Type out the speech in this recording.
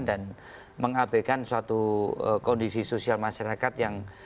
dan mengabekan suatu kondisi sosial masyarakat yang